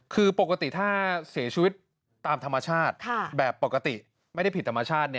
คือปกติถ้าเสียชีวิตตามธรรมชาติแบบปกติไม่ได้ผิดธรรมชาติ